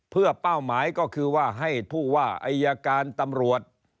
เพื่อเป้าหมายก็คือว่าให้ผู้ว่าอายการตำรวจ